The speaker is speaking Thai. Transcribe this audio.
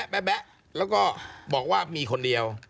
แป๊ะแล้วก็บอกว่ามีคนเดียว